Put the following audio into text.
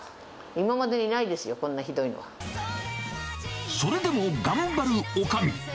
今までにないですよ、こんなひどそれでも頑張るおかみ。